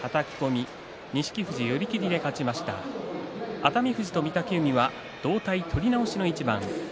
熱海富士と御嶽海は同体取り直しの一番。